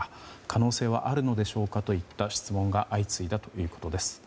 可能性はあるのでしょうかといった質問が相次いだということです。